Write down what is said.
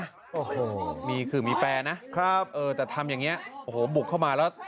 โอ้โหมีขื่อมีแปรนะครับเออแต่ทำอย่างนี้โอ้โหบุกเข้ามาแล้ว